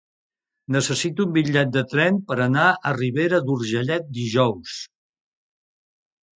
Necessito un bitllet de tren per anar a Ribera d'Urgellet dijous.